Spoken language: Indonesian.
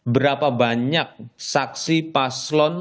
berapa banyak saksi paslon